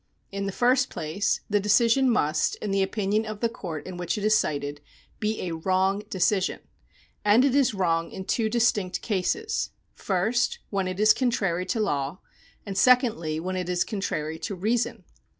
In the first place, the decision must, in the opinion of the court in which it is cited, be a wrong decision ; and it is wrong in two distinct cases : first, when it is contrary to law, and secondly, when it is contrary to reason.